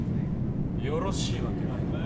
よろしいわけないだろ。